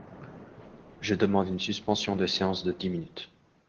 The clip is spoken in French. Je demande une suspension de séance de dix minutes.